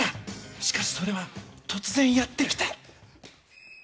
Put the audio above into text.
しかしそれは突然やってきた。